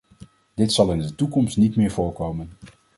Dit zal in de toekomst niet meer voorkomen.